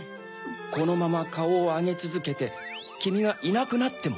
このままカオをあげつづけてきみがいなくなっても？